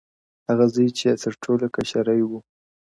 • هغه زوى چي يې تر ټولو كشرى وو -